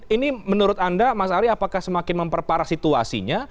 ini menurut anda mas ari apakah semakin memperparah situasinya